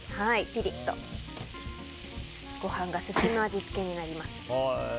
ピリッと、ご飯が進む味付けになります。